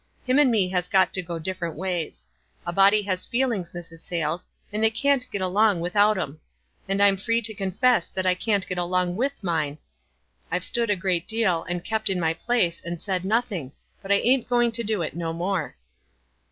Him and me has got to go different ways. A body has feelings, Mrs. Sayles, and they can't get along without 'em ; and I'm free to confess I can't get along luith mine. I've stood a good deal, and kept in my place, and said nothing ; but I ain't going to do it no more."